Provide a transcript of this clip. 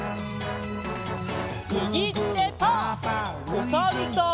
おさるさん。